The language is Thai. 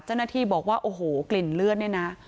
เจ้าหน้าที่บอกว่าโอ้โหกลิ่นเลือดเนี่ยนะ